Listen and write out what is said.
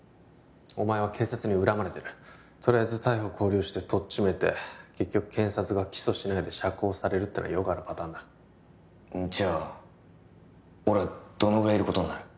お前は警察に恨まれてるとりあえず逮捕勾留してとっちめて結局検察が起訴しないで釈放されるってのはよくあるパターンだじゃあ俺はどのぐらいいることになる？